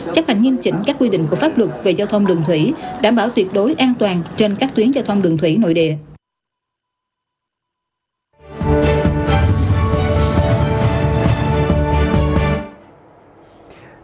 chấp hành nghiêm chỉnh các quy định của pháp luật về giao thông đường thủy đảm bảo tuyệt đối an toàn trên các tuyến giao thông đường thủy nội địa